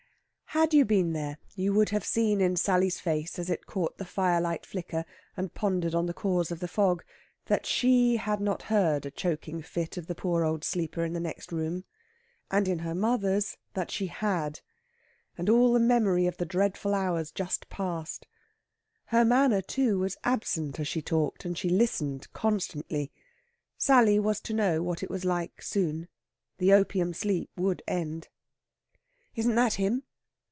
Had you been there you would have seen in Sally's face as it caught the firelight flicker and pondered on the cause of the fog, that she had not heard a choking fit of the poor old sleeper in the next room. And in her mother's that she had, and all the memory of the dreadful hours just passed. Her manner, too, was absent as she talked, and she listened constantly. Sally was to know what it was like soon. The opium sleep would end. "Isn't that him?"